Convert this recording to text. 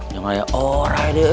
yang lain orang deh